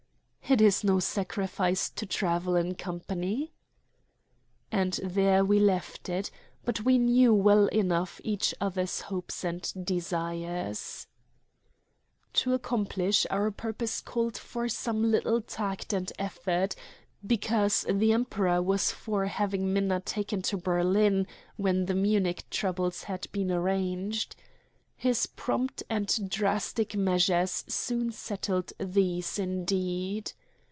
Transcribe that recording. "It is no sacrifice to travel in company." And there we left it; but we knew well enough each other's hopes and desires. To accomplish our purpose called for some little tact and effort, because the Emperor was for having Minna taken to Berlin when the Munich troubles had been arranged. His prompt and drastic measures soon settled these, indeed.